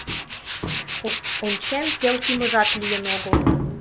Ончем: пел кӱмыжат лийын огыл.